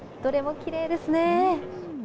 どれもきれいですね。